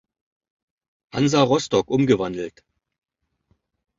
Hansa Rostock umgewandelt.